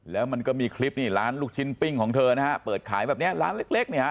แล้วมันก็มีคลิปนี่ร้านลูกชิ้นปิ้งของเธอนะฮะเปิดขายแบบเนี้ยร้านเล็กเนี่ยฮะ